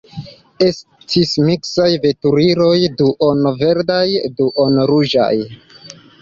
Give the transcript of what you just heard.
Estis miksaj veturiloj duon-verdaj, duon-ruĝaj.